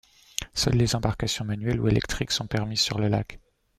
Seuls les embarcations manuelles ou électriques sont permis sur le lac.